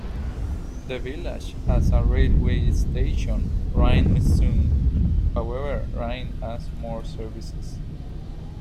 The village has a railway station Rheine-Mesum, however Rheine has more services.